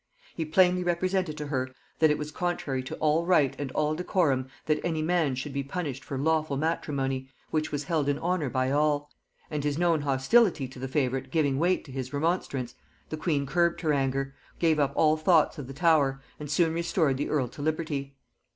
He plainly represented to her, that it was contrary to all right and all decorum that any man should be punished for lawful matrimony, which was held in honor by all; and his known hostility to the favorite giving weight to his remonstrance, the queen curbed her anger, gave up all thoughts of the Tower, and soon restored the earl to liberty.